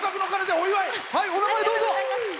お名前をどうぞ。